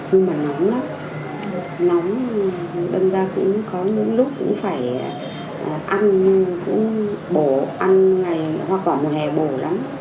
nhưng mà nóng lắm nóng nên ra có những lúc cũng phải ăn bổ ăn hoa quả mùa hè bổ lắm